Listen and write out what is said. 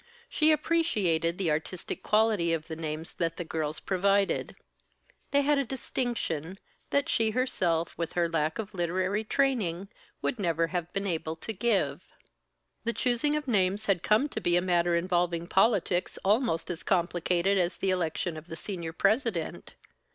She appreciated the artistic quality of the names that the girls provided. They had a distinction, that she herself, with her lack of literary training, would never have been able to give. The choosing of the names had come to be a matter involving politics almost as complicated as the election of the senior president.